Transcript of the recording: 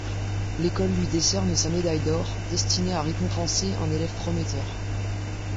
L’école lui décerne sa médaille d’or, destinée à récompenser un élève prometteur.